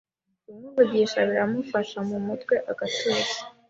Kumuvugisha biramufasha mumutwe agatuza